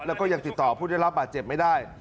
แล้วก็ยังติดต่อผู้ได้รับบาดเจ็บไม่ได้